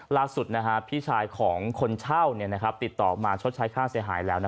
พี่ชายของคนเช่าติดต่อมาชดใช้ค่าเสียหายแล้ว